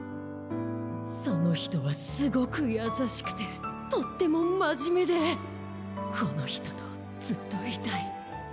そのひとはすごくやさしくてとってもまじめで「このひととずっといたい」